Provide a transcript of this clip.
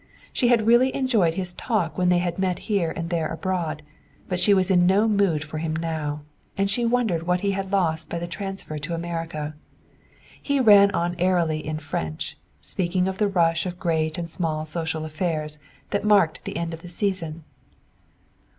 She had really enjoyed his talk when they had met here and there abroad; but she was in no mood for him now; and she wondered what he had lost by the transfer to America. He ran on airily in French, speaking of the rush of great and small social affairs that marked the end of the season.